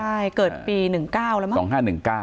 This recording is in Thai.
ใช่เกิดปี๑๙แล้วมั้ง